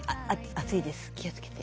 熱いです気をつけて。